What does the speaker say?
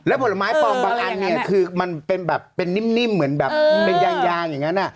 แล้วผลไม้ปลอมบางอันนี้คือมันเป็นนิ่มเหมือนแบบเป็นยางอย่างนั้น